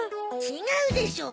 違うでしょ。